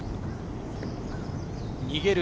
逃げる